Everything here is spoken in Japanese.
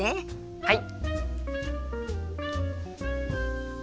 はい！